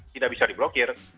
tidak bisa di blokir